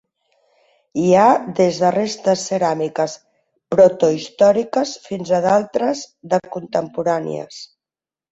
Hi ha des de restes de ceràmiques protohistòriques fins a d'altres de contemporànies.